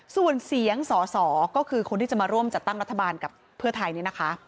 ส่วนเสียงสอสอก็คือคนที่จะมาร่วมจัดตั้งรัฐบาลกับเพื่อไทยนี่นะคะ